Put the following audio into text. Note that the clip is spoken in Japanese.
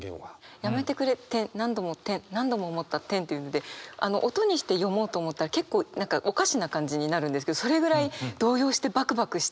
「やめてくれ、何度も、何度も思った、」っていうので音にして読もうと思ったら結構おかしな感じになるんですけどそれぐらい動揺してバクバクして。